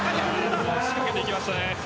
仕掛けていきましたね。